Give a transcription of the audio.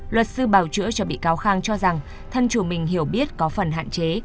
luật sư bảo chữa cho bị cáo khang cho rằng thân chủ mình hiểu biết có phần hạn chế